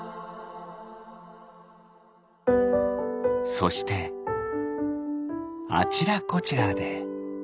そしてあちらこちらで。